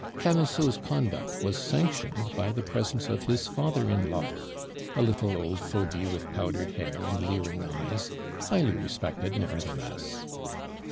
Camusot's conduct was sanctioned by the presence of his father in law, a little old fogy with powdered hair and leering eyes, highly respected nevertheless.